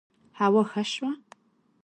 هوا ښه شوه